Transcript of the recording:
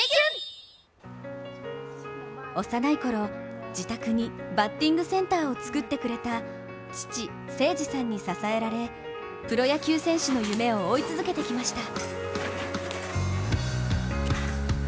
幼いころ、自宅にバッティングセンターを作ってくれた父・清司さんに支えられプロ野球選手の夢を追い続けてきました。